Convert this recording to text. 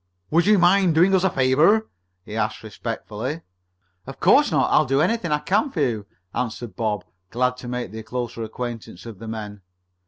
"Would you mind doing us a favor?" he asked respectfully. "Of course not. I'll do anything I can for you," answered Bob, glad to make the closer acquaintance of the men.